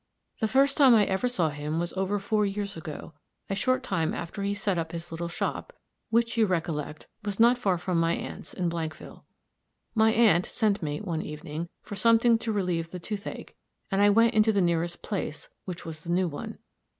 The first time I ever saw him was over four years ago, a short time after he set up his little shop, which, you recollect, was not far from my aunt's in Blankville. My aunt sent me, one evening, for something to relieve the toothache, and I went into the nearest place, which was the new one.